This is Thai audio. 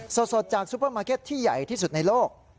สดจากซูเปอร์มาร์เก็ตที่ใหญ่ที่สุดในโลก